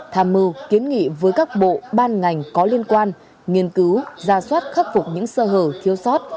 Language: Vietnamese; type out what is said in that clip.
tham mưu kiến nghị với các bộ ban ngành có liên quan nghiên cứu ra soát khắc phục những sơ hở thiếu sót